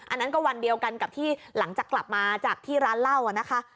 อันนั้นก็วันเดียวกันกับที่หลังจากกลับมาจากที่ร้านเหล้านะคะ